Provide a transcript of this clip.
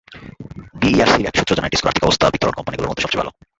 বিইআরসির একটি সূত্র জানায়, ডেসকোর আর্থিক অবস্থা বিতরণ কোম্পানিগুলোর মধ্যে সবচেয়ে ভালো।